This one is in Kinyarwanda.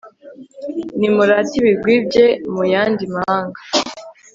nimurate ibigwi bye mu yandi mahanga